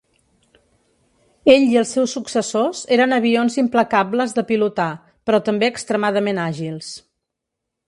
Ell i els seus successors eren avions implacables de pilotar, però també extremadament àgils.